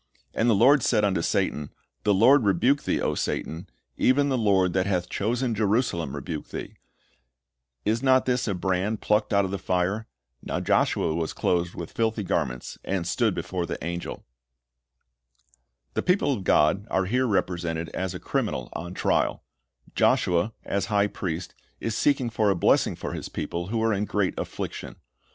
And the Lord said unto Satan, The Lord rebuke thee, O Satan; even the Lord that hath chosen Jerusalem rebuke thee: is not this a brand plucked out of the fire? Now Joshua was clothed with filthy garments, and stood before the angel." ^ The people of God are here represented as a criminal lDeut.32:., i.i:/'(Tli 28 SR. v. ^Rev. 12:10 ■'Z?iii. 5 : 1 5 " .S" Ji al I Not God Av c n ir e His O w n / 167 on trial. Joshua, as high priest, is seeking for a blessing for his people, who are in great affliction.